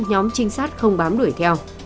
nhóm trinh sát không bám đuổi theo